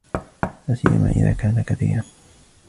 لَا سِيَّمَا إذَا كَانَ كَثِيرًا